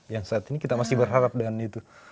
yang saat ini kita masih berharap dengan itu